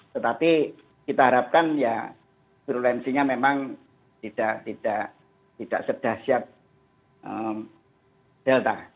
tetapi kita harapkan ya virulensinya memang tidak sedahsyat delta